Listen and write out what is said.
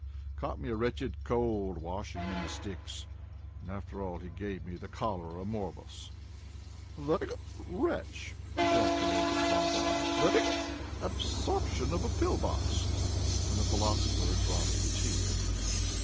ugh!—caught a wretched cold washing him in the Styx—and after all he gave me the cholera morbus." "The—hiccup!—wretch!" ejaculated Bon Bon, "the—hic cup!—abortion of a pill box!"—and the philosopher dropped a tear.